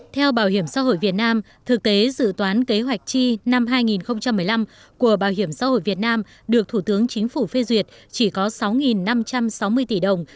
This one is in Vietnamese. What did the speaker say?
theo bảo hiểm xã hội việt nam thực tế dự toán kế hoạch chi năm hai nghìn một mươi năm của bảo hiểm xã hội việt nam được thủ tướng chính phủ phê duyệt chỉ có sáu năm trăm sáu mươi tỷ đồng